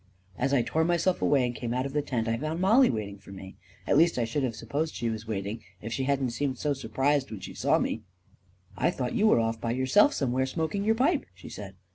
As I tore myself away and came out of the tent, I found Mollie waiting for me — at least, I should have supposed she was waiting, if she hadn't seemed so surprised when she saw me. 282 A KING IN BABYLON u I thought you were off by yourself somewhere smoking your pipe,' 9 she said.